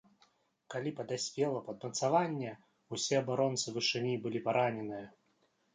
Калі падаспела падмацаванне, усе абаронцы вышыні былі параненыя.